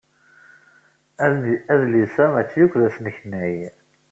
Adlis-a maci akk d asneknay.